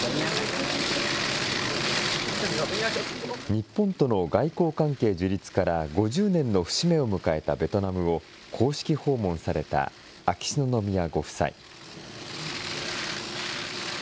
日本との外交関係樹立から５０年の節目を迎えたベトナムを、公式訪問された秋篠宮ご夫妻。